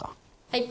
はい。